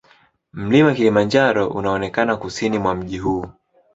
Mlima Kilimanjaro unaonekana kusini mwa mji huu.